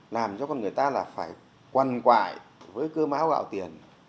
làm cho con người ta là phải quần quại với cơ máu gạo tiền